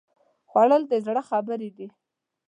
خوړل د زړه خبرې دي